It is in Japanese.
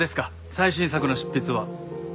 最新作の執筆は。